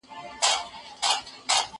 زه انځورونه نه رسم کوم